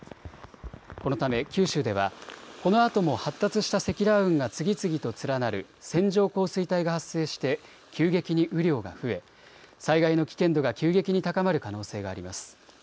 このため九州ではこのあとも発達した積乱雲が次々と連なる線状降水帯が発生して急激に雨量が増え災害の危険度が急激に高まる可能性があります。